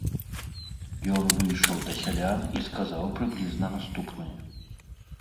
Ён выйшаў да сялян і сказаў прыблізна наступнае.